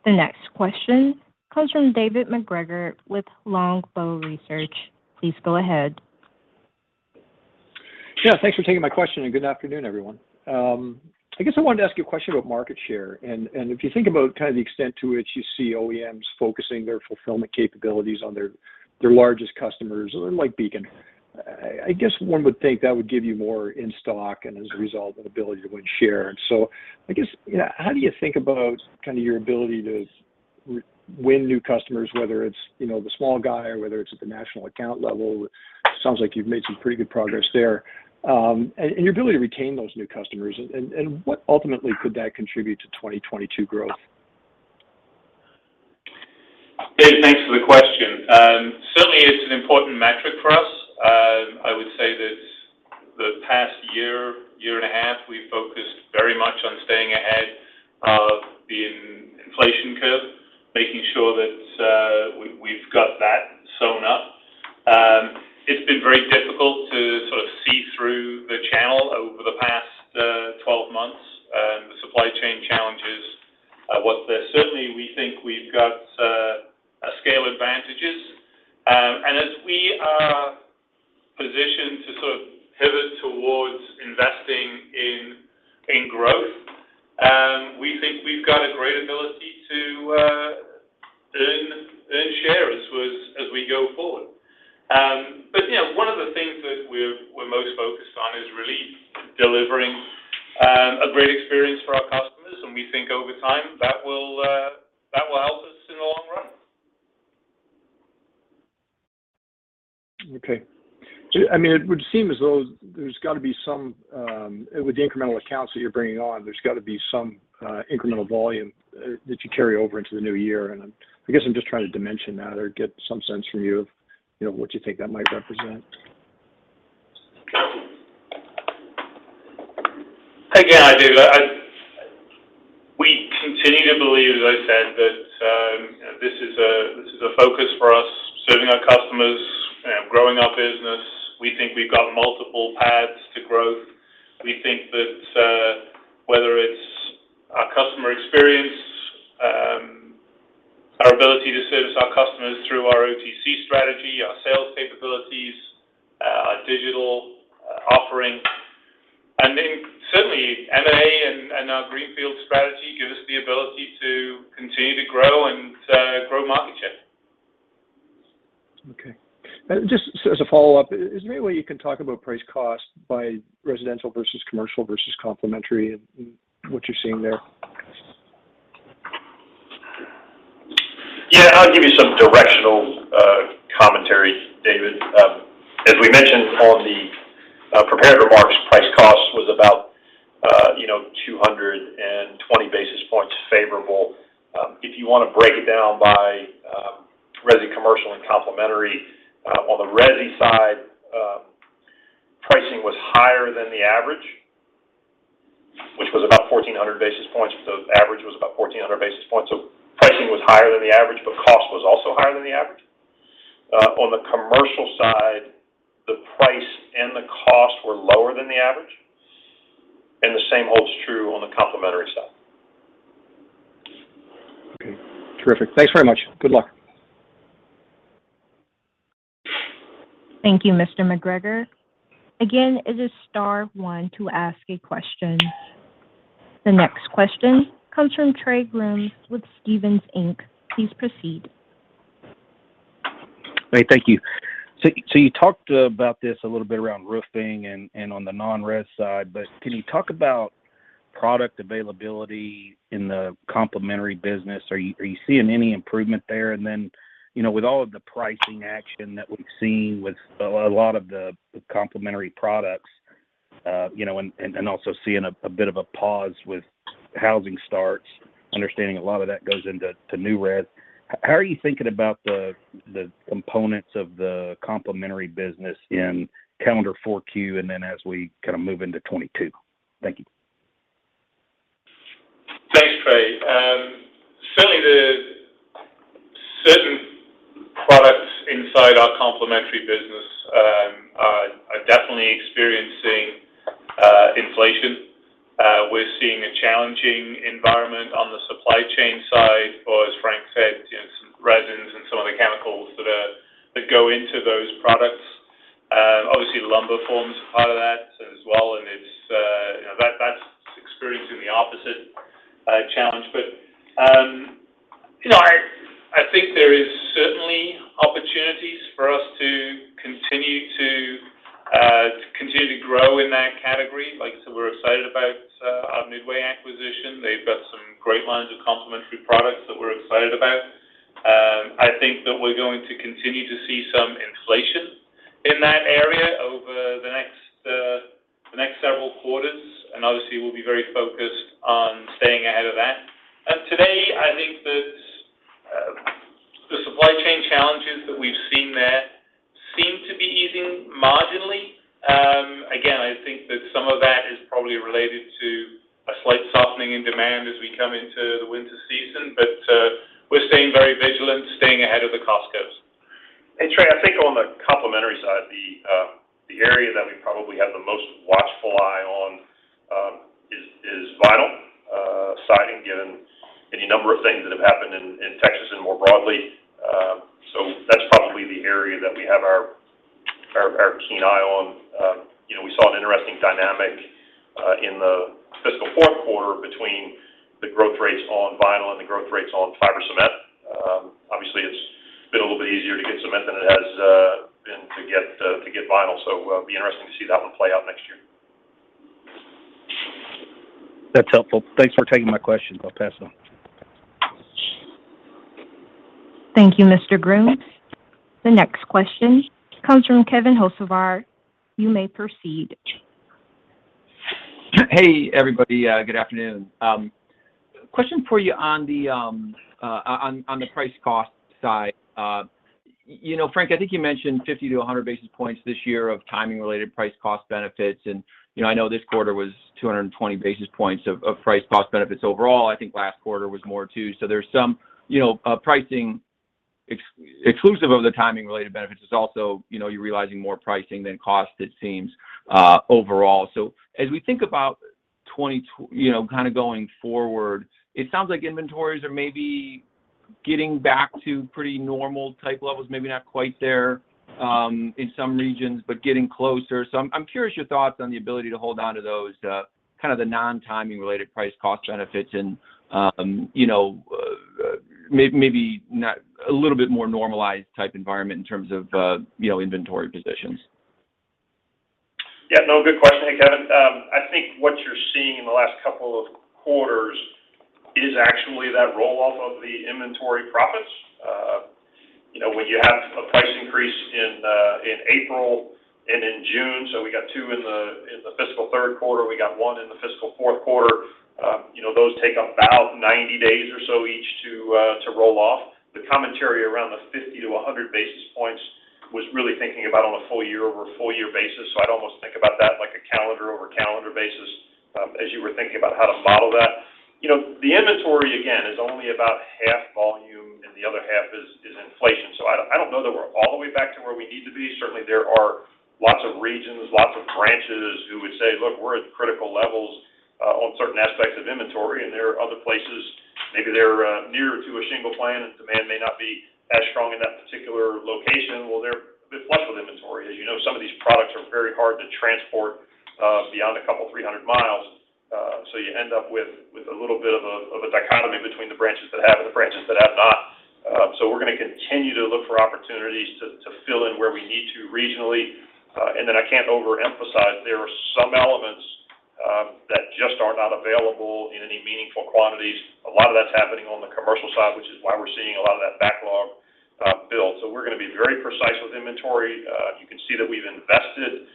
The next question comes from David MacGregor with Longbow Research. Please go ahead. Yeah. Thanks for taking my question and good afternoon, everyone. I guess I wanted to ask you a question about market share. If you think about kind of the extent to which you see OEMs focusing their fulfillment capabilities on their largest customers or like Beacon, I guess one would think that would give you more in stock, and as a result, an ability to win share. I guess, yeah, how do you think about kinda your ability to win new customers, whether it's, you know, the small guy or whether it's at the national account level? It sounds like you've made some pretty good progress there. Your ability to retain those new customers and what ultimately could that contribute to 2022 growth? Dave, thanks for the question. Certainly it's an important metric for us. I would say that the past year and a half, we've focused very much on staying ahead of the inflation curve, making sure that we've got that sewn up. It's been very difficult to sort of see through the channel over the past 12 months. The supply chain challenges were there. Certainly, we think we've got a scale advantages. As we are positioned to sort of pivot towards investing in growth, we think we've got a great ability to earn share as we go forward. You know, one of the things that we're most focused on is really delivering a great experience for our customers, and we think over time, that will help us in the long run. Okay. I mean, it would seem as though there's gotta be some with the incremental accounts that you're bringing on, there's gotta be some incremental volume that you carry over into the new year. I guess I'm just trying to dimension that or get some sense from you of, you know, what you think that might represent. Again, David, we continue to believe, as I said, that, you know, this is a focus for us, serving our customers, growing our business. We think we've got multiple paths to growth. We think that whether it's our customer experience, our ability to service our customers through our OTC strategy, our sales capabilities, our digital offering. Certainly, M&A and our greenfield strategy give us the ability to continue to grow and grow market share. Okay. Just as a follow-up, is there any way you can talk about price cost by residential versus commercial versus complementary and what you're seeing there? Yeah. I'll give you some directional commentary, David. As we mentioned on the prepared remarks, price cost was about, you know, 220 basis points favorable. If you wanna break it down by resi, commercial, and complementary, on the resi side, pricing was higher than the average, which was about 1,400 basis points. The average was about 1,400 basis points. Pricing was higher than the average, but cost was also higher than the average. On the commercial side, the price and the cost were lower than the average, and the same holds true on the complementary side. Okay. Terrific. Thanks very much. Good luck. Thank you, Mr. MacGregor. Again, it is star one to ask a question. The next question comes from Trey Grooms with Stephens, Inc. Please proceed. Hey, thank you. You talked about this a little bit around roofing and on the non-res side, but can you talk about product availability in the complementary business? Are you seeing any improvement there? Then, you know, with all of the pricing action that we've seen with a lot of the complementary products, you know, and also seeing a bit of a pause with housing starts, understanding a lot of that goes into new res. How are you thinking about the components of the complementary business in calendar Q4 and then as we kinda move into 2022? Thank you. Thanks, Trey. Certainly the certain products inside our complementary business are definitely experiencing inflation. We're seeing a challenging environment on the supply chain side for, as Frank said, you know, some resins and some of the chemicals that go into those products. Obviously lumber forms a part of that as well, and it's, you know, that's experiencing the opposite challenge. You know, I think there is certainly opportunities for us to continue to grow in that category. Like I said, we're excited about our Midway acquisition. They've got some great lines of complementary products that we're excited about. I think that we're going to continue to see some inflation in that area over the next several quarters, and obviously we'll be very focused on staying ahead of that. Today, I think that the supply chain challenges that we've seen there seem to be easing marginally. Again, I think that some of that is probably related to a slight softening in demand as we come into the winter season. We're staying very vigilant, staying ahead of the cost curves. Trey, I think on the complementary side, the area that we probably have the most watchful eye on. Any number of things that have happened in Texas and more broadly. So that's probably the area that we have our keen eye on. You know, we saw an interesting dynamic in the fiscal fourth quarter between the growth rates on vinyl and the growth rates on fiber cement. Obviously, it's been a little bit easier to get cement than it has been to get vinyl. So, it'll be interesting to see that one play out next year. That's helpful. Thanks for taking my question. I'll pass on. Thank you, Mr. Grooms. The next question comes from Kevin Hocevar. You may proceed. Hey, everybody. Good afternoon. Question for you on the price cost side. You know, Frank, I think you mentioned 50 to 100 basis points this year of timing-related price cost benefits. You know, I know this quarter was 220 basis points of price cost benefits overall. I think last quarter was more, too. There's some, you know, pricing exclusive of the timing-related benefits. It's also, you know, you're realizing more pricing than cost, it seems, overall. As we think about twenty-two, you know, kinda going forward, it sounds like inventories are maybe getting back to pretty normal type levels, maybe not quite there, in some regions, but getting closer. I'm curious your thoughts on the ability to hold onto those, kind of the non-timing related price cost benefits and, you know, maybe not a little bit more normalized type environment in terms of, you know, inventory positions. Yeah. No, good question. Hey, Kevin. I think what you're seeing in the last couple of quarters is actually that roll-off of the inventory profits. You know, when you have a price increase in April and in June, so we got two in the fiscal third quarter, we got one in the fiscal fourth quarter, you know, those take about 90 days or so each to roll off. The commentary around the 50 to 100 basis points was really thinking about on a full year over a full year basis. So I'd almost think about that like a calendar over calendar basis, as you were thinking about how to model that. You know, the inventory, again, is only about half volume, and the other half is inflation. I don't know that we're all the way back to where we need to be. Certainly, there are lots of regions, lots of branches who would say, "Look, we're at critical levels on certain aspects of inventory," and there are other places, maybe they're nearer to a shingle plant and demand may not be as strong in that particular location. Well, they're a bit blessed with inventory. As you know, some of these products are very hard to transport beyond a couple, 300 miles. You end up with a little bit of a dichotomy between the branches that have and the branches that have not. We're gonna continue to look for opportunities to fill in where we need to regionally. I can't overemphasize there are some elements that just are not available in any meaningful quantities. A lot of that's happening on the commercial side, which is why we're seeing a lot of that backlog build. We're gonna be very precise with inventory. You can see that we've invested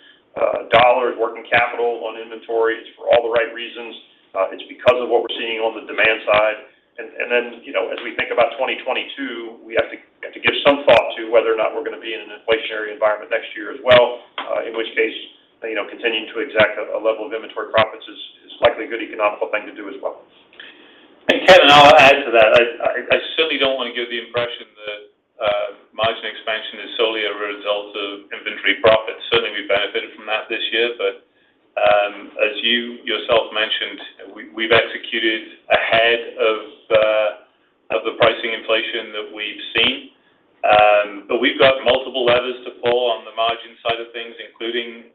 dollars in working capital on inventory. It's for all the right reasons. It's because of what we're seeing on the demand side. You know, as we think about 2022, we have to give some thought to whether or not we're gonna be in an inflationary environment next year as well, in which case, you know, continuing to extract a level of inventory profits is likely a good economic thing to do as well. Kevin, I'll add to that. I certainly don't wanna give the impression that margin expansion is solely a result of inventory profits. Certainly, we've benefited from that this year. As you yourself mentioned, we've executed ahead of the pricing inflation that we've seen. We've got multiple levers to pull on the margin side of things, including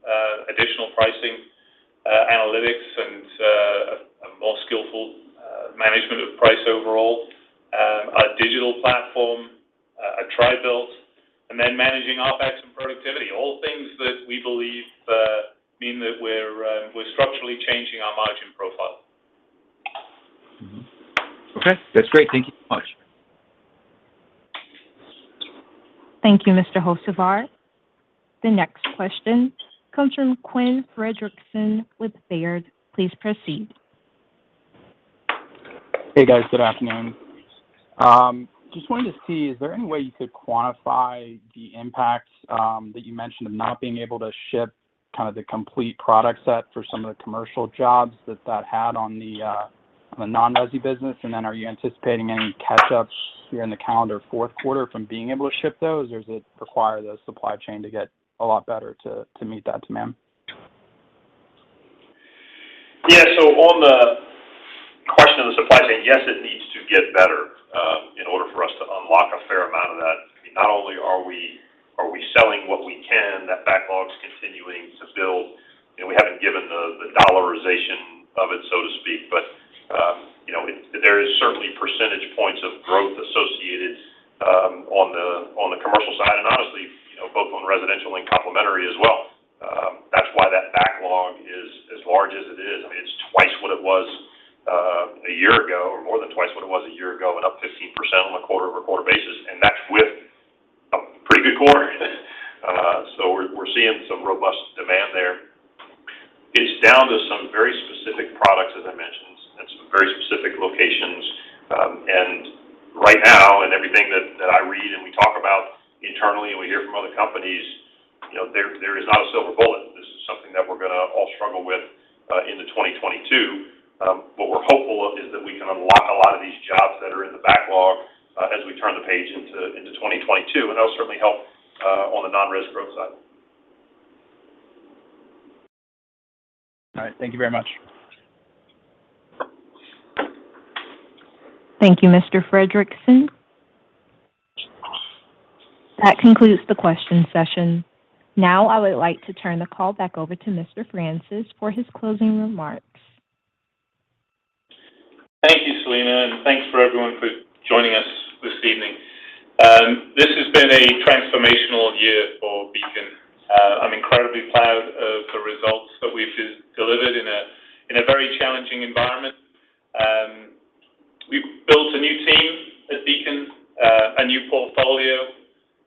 additional pricing analytics, and a more skillful management of price overall, a digital platform, a TRI-BUILT, and then managing OpEx and productivity. All things that we believe mean that we're structurally changing our margin profile. Okay. That's great. Thank you much. Thank you, Mr. Hocevar. The next question comes from Quinn Fredrickson with Baird. Please proceed. Hey, guys. Good afternoon. Just wanted to see, is there any way you could quantify the impact that you mentioned of not being able to ship kind of the complete product set for some of the commercial jobs that had on the non-resi business? Are you anticipating any catch-ups here in the calendar fourth quarter from being able to ship those, or does it require the supply chain to get a lot better to meet that demand? Yeah. On the question of the supply chain, yes, it needs to get better in order for us to unlock a fair amount of that. Not only are we selling what we can, that backlog's continuing to build, and we haven't given the dollarization of it, so to speak. You know, there is certainly percentage points of growth associated on the commercial side, and honestly, you know, both on residential and complementary as well. That's why that backlog is as large as it is. I mean, it's twice what it was a year ago, or more than twice what it was a year ago and up 15% on a quarter-over-quarter basis, and that's with a pretty good quarter. We're seeing some robust demand there. It's down to some very specific products, as I mentioned, and some very specific locations. Right now, in everything that I read and we talk about internally and we hear from other companies, you know, there is not a silver bullet. This is something that we're gonna all struggle with into 2022. What we're hopeful of is that we can unlock a lot of these jobs that are in the backlog as we turn the page into 2022, and that'll certainly help on the non-res growth side. All right. Thank you very much. Thank you, Mr. Fredrickson. That concludes the question session. Now, I would like to turn the call back over to Mr. Francis for his closing remarks. Thank you, Selina. Thanks to everyone for joining us this evening. This has been a transformational year for Beacon. I'm incredibly proud of the results that we've just delivered in a very challenging environment. We've built a new team at Beacon, a new portfolio.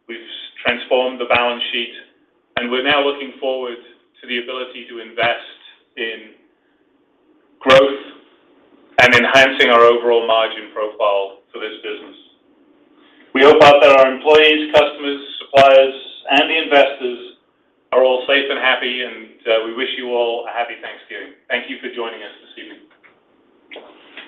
We've transformed the balance sheet, and we're now looking forward to the ability to invest in growth and enhancing our overall margin profile for this business. We hope that our employees, customers, suppliers, and the investors are all safe and happy, and we wish you all a happy Thanksgiving. Thank you for joining us this evening.